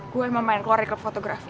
gue yang mau main keluar di klub fotografi